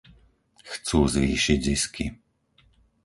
Chcú zvýšiť zisky.